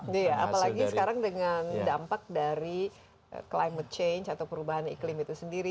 iya apalagi sekarang dengan dampak dari climate change atau perubahan iklim itu sendiri